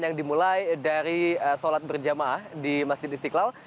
yang dimulai dari sholat berjamaah di masjid istiqlal